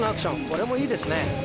これもいいですね